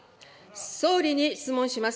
総理に質問します。